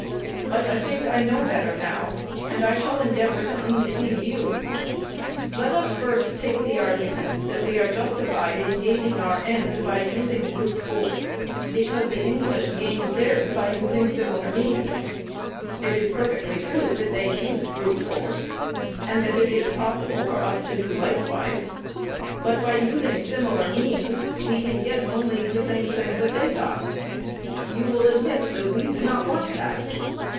But I think I know better now, and I shall endeavour to undeceive you. Let us first take the argument that we are justified in gaining our end by using brute force, because the English gained theirs by using similar means. It is perfectly true that they used brute force, and that it is possible for us to do likewise: but by using similar means, we can get only the same thing that they got. You will admit that we do not want that.